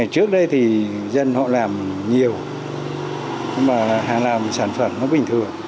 không có hệ thống